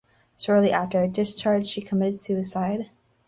Shortly after her discharge, she committed suicide.